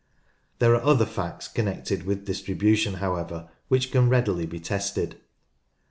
There are other facts connected with distribution however which can readily be tested.